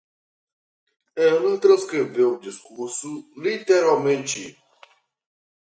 Ela transcreveu o discurso, literalmente